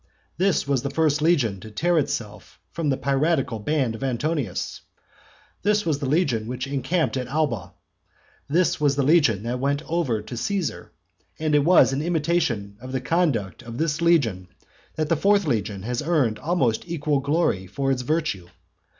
This was the first legion to tear itself from the piratical band of Antonius; this was the legion which encamped at Alba; this was the legion that went over to Caesar; and it was in imitation of the conduct of this legion that the fourth legion has earned almost equal glory for its virtue.